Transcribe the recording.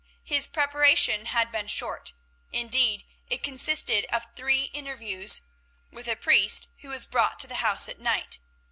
His preparation had been short; indeed, it consisted of three interviews with a priest who was brought to the house at night.